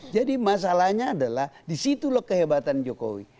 jadi masalahnya adalah di situ loh kehebatan jokowi